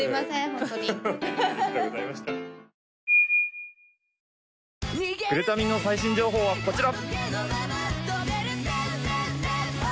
ホントにありがとうございましたぐるたみんの最新情報はこちら！